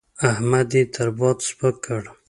احمد يې تر باد سپک کړ.